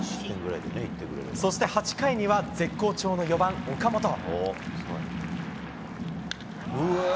そして、８回には絶好調の４番、岡本。